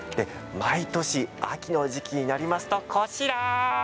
毎年、秋の時期になりますとこちら！